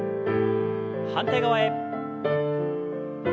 反対側へ。